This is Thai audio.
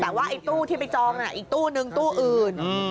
แต่ว่าไอ้ตู้ที่ไปจองอีกตู้นึงตู้อื่น